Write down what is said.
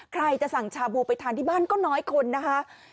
ใครจะสั่งชาบูไปทานที่บ้านก็น้อยคนนะคะ